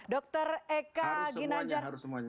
dokter eka ginanjan